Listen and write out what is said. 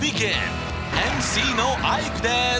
ＭＣのアイクです！